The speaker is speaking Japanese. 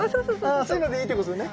ああそういうのでいいってことね。